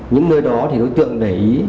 những nơi đó thì đối tượng để ý